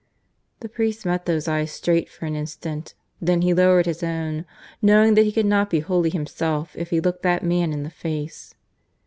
The priest met those eyes straight for an instant, then he lowered his own, knowing that he could not be wholly himself if he looked that man in the face.